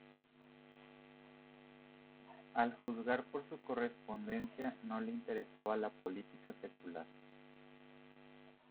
Al juzgar por su correspondencia, no le interesaba la política secular.